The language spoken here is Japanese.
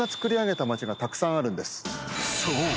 ［そう。